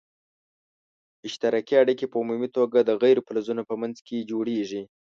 اشتراکي اړیکي په عمومي توګه د غیر فلزونو په منځ کې جوړیږي.